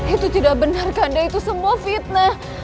itu tidak benar karena itu semua fitnah